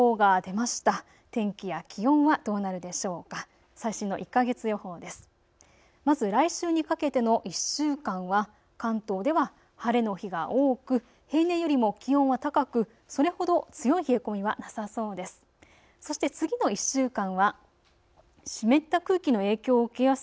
まず来週にかけての１週間は関東では晴れの日が多く平年よりも気温は高くそれほど強い冷え込みはなさそうです。